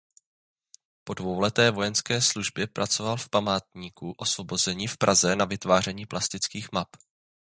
Po dvouleté vojenské službě pracoval v Památníku osvobození v Praze na vytváření plastických map.